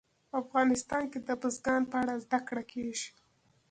افغانستان کې د بزګان په اړه زده کړه کېږي.